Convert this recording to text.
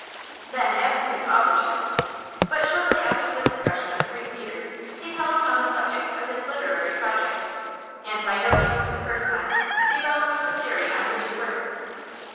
Then as to his authorship. But shortly after the discussion of Greek metres he fell upon the subject of his literary projects, and, by no means for the first time, developed the theory on which he worked.